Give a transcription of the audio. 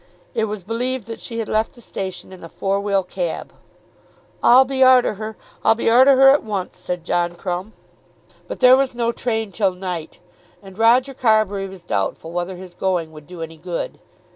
It was believed that she had left the station in a four wheel cab. "I'll be arter her. I'll be arter her at once," said John Crumb. But there was no train till night, and Roger Carbury was doubtful whether his going would do any good.